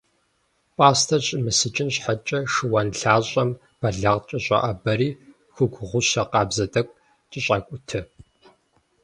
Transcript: Пӏастэр щӏимысыкӏын щхьэкӏэ, шыуан лъащӏэм бэлагъкӏэ щӏоӏэбэри, хугу гъущэ къабзэ тӏэкӏу кӏэщӏакӏутэ.